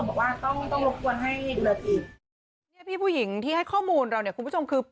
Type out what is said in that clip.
เมื่อพี่ผู้หญิงที่ให้ข้อมูลเราละเนี่ยคุณผู้ชมคือ